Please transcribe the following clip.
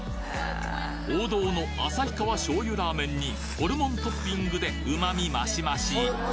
王道の旭川醤油ラーメンにホルモントッピングで旨味マシマシ！